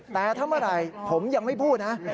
แต่ถ้าเมื่อไหร่ผมยังไม่พูดนะ